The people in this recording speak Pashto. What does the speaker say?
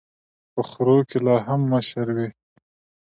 په خرو کي لا هم مشر وي.